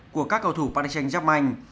của các cầu thủ paris saint germain